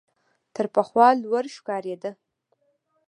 تر پخوا لوړ ښکارېده .